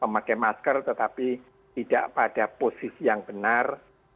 memakai masker tetapi tidak pada posisi yang benar